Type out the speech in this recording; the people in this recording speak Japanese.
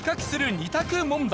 ２択問題。